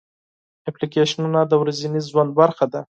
اپلیکیشنونه د ورځني ژوند برخه ده.